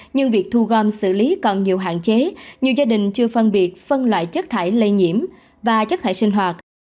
nhưng việc thu gom xử lý còn nhiều hạn chế nhiều gia đình chưa phân biệt phân loại chất thải lây nhiễm và chất thải sinh hoạt